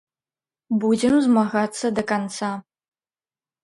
Будзем змагацца да канца.